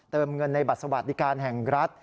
เงินในบัตรสวัสดิการแห่งรัฐ